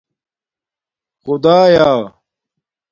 خُدایآ